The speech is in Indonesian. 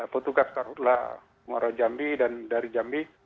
petugas kabupaten muarau jambi dan dari jambi